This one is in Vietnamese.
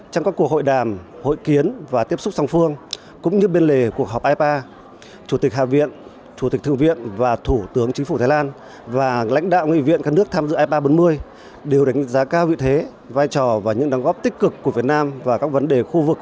trong các cuộc gặp gỡ tiếp xúc lãnh đạo nghị viện chính phủ thái lan và các nước thành viên ipa các đối tác đều đánh giá cao và bày tỏ ngưỡng mộ vai trò vị thế và uy tín ngày càng cao của việt nam trong khu vực